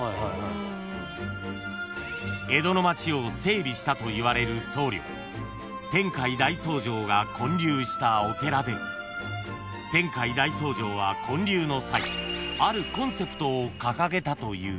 ［江戸の街を整備したといわれる僧侶天海大僧正が建立したお寺で天海大僧正は建立の際あるコンセプトを掲げたという］